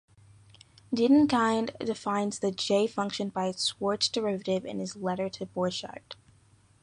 Dedekind defines the "j"-function by its Schwarz derivative in his letter to Borchardt.